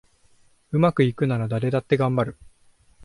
うまくいくなら誰だってがんばる